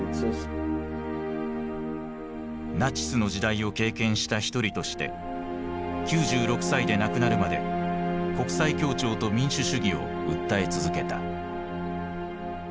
ナチスの時代を経験した一人として９６歳で亡くなるまで国際協調と民主主義を訴え続けた。